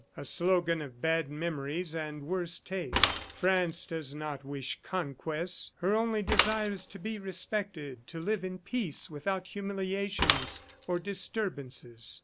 a slogan of bad memories and worse taste. France does not wish conquests; her only desire is to be respected, to live in peace without humiliations or disturbances.